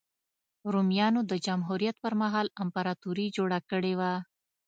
رومیانو د جمهوریت پرمهال امپراتوري جوړه کړې وه.